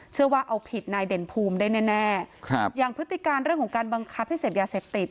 ว่าเอาผิดนายเด่นภูมิได้แน่แน่ครับอย่างพฤติการเรื่องของการบังคับให้เสพยาเสพติด